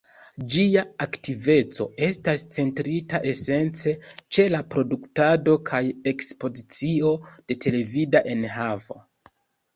Ĝia aktiveco estas centrita esence ĉe la produktado kaj ekspozicio de televida enhavo.